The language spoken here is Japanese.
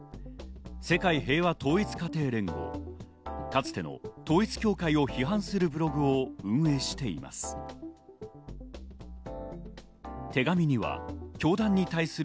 世界平和統一家庭連合、かつての統一教会を批判するブログを運営しています。